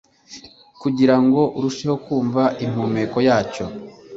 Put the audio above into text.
kugira ngo arusheho kumva impumeko yacyo